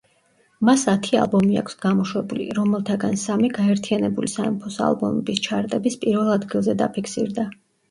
მას ათი ალბომი აქვს გამოშვებული, რომელთაგან სამი გაერთიანებული სამეფოს ალბომების ჩარტების პირველ ადგილზე დაფიქსირდა.